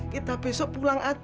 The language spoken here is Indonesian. kita besok pulang aja